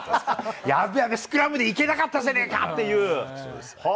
やべぇ、スクラムでいけなかったじゃねえかっていう。